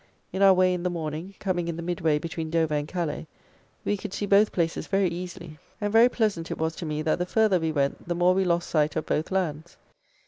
In our way in the morning, coming in the midway between Dover and Calais, we could see both places very easily, and very pleasant it was to me that the further we went the more we lost sight of both lands.